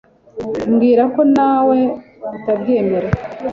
Mbwira ko nawe utabyemera